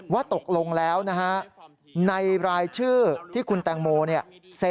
ว่าตกลงแล้วนะฮะในรายชื่อที่คุณแตงโมเนี่ย